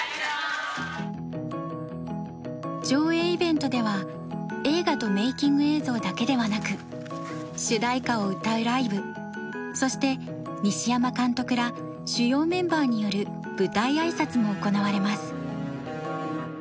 上映イベントでは映画とメイキング映像だけではなく主題歌を歌うライブそして西山監督ら主要メンバーによる舞台挨拶も行われます。